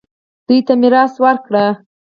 دوی ته میراث ورکړئ